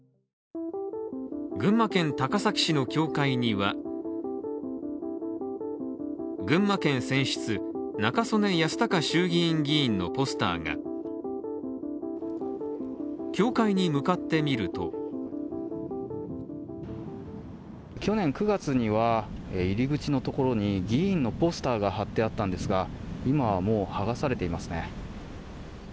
群馬県高崎市の教会には群馬県選出、中曽根康隆衆議院議員のポスターが教会に向かってみると去年９月には入り口のところに議員のポスターが貼ってあったんですが今はもう剥がされていますね。